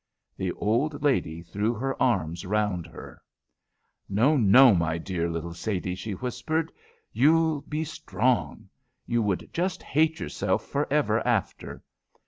The old lady threw her arms round her. "No, no, my own dear little Sadie," she whispered. "You'll be strong! You would just hate yourself for ever after.